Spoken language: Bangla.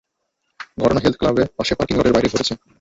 ঘটনা হেলথ ক্লাবে পাশে পার্কিং লটের বাইরে ঘটেছে।